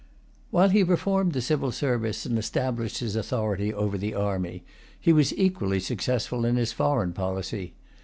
While he reformed the civil service and established his authority over the army, he was equally successful in his foreign policy.